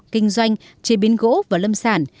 kinh doanh chế biến gỗ và lâm sản